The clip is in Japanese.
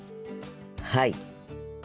はい。